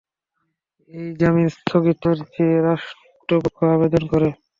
এই জামিন স্থগিত চেয়ে রাষ্ট্রপক্ষ আবেদন করে।